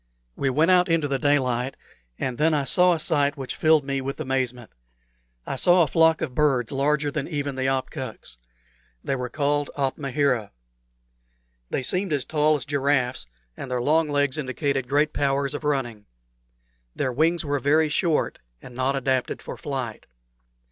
We went out into the daylight, and then I saw a sight which filled me with amazement. I saw a flock of birds larger than even the opkuks. They were called "opmahera." They seemed as tall as giraffes, and their long legs indicated great powers of running. Their wings were very short, and not adapted for flight.